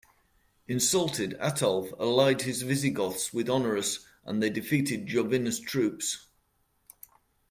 Insulted, Ataulf allied his Visigoths with Honorius, and they defeated Jovinus' troops.